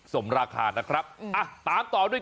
สมราคานะครับอ่ะตามต่อด้วย